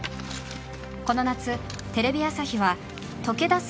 この夏、テレビ朝日は解け出す